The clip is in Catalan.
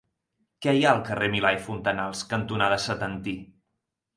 Què hi ha al carrer Milà i Fontanals cantonada Setantí?